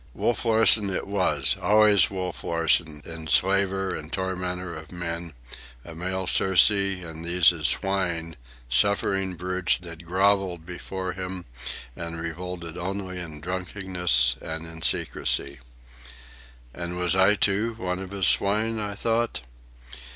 Wolf Larsen it was, always Wolf Larsen, enslaver and tormentor of men, a male Circe and these his swine, suffering brutes that grovelled before him and revolted only in drunkenness and in secrecy. And was I, too, one of his swine? I thought.